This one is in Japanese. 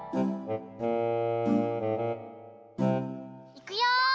いくよ！